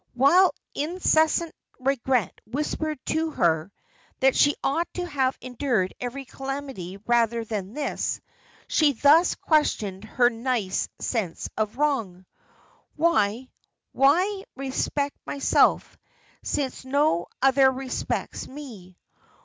While incessant regret whispered to her "that she ought to have endured every calamity rather than this," she thus questioned her nice sense of wrong, "Why, why respect myself, since no other respects me?